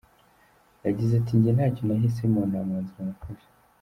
Yagize ati “Njye ntacyo nahisemo, nta mwanzuro nafashe.